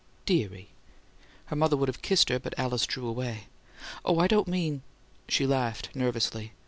"Dearie!" Her mother would have kissed her, but Alice drew away. "Oh, I don't mean " She laughed nervously.